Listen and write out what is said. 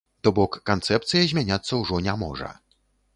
То бок, канцэпцыя змяняцца ўжо не можа.